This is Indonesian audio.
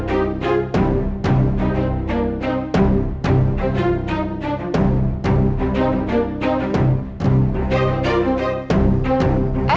ibu gak mau berbicara sama dia